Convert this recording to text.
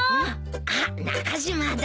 あっ中島だ！